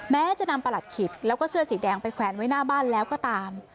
แม้จะนำประหลัดขิดแล้วก็เสื้อสีแดงไปแขวนไว้หน้าบ้านแล้วก็ตาม